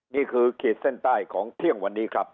ขีดเส้นใต้ของเที่ยงวันนี้ครับ